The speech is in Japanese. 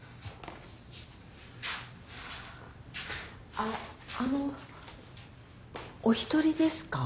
あっあのお一人ですか？